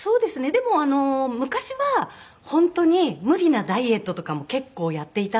でも昔は本当に無理なダイエットとかも結構やっていたんですよね。